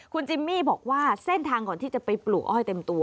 คุณจิมมี่บอกว่าเส้นทางก่อนที่จะไปปลูกอ้อยเต็มตัว